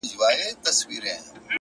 په خندا پاڅي په ژړا يې اختتام دی پيره!